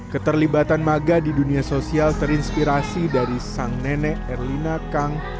keterlibatan maga di dunia sosial terinspirasi dari sang nenek erlina kang